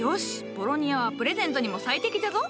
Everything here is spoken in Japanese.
ボロニアはプレゼントにも最適じゃぞ。